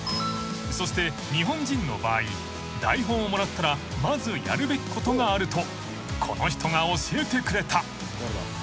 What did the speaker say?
［そして日本人の場合台本をもらったらまずやるべきことがあるとこの人が教えてくれた］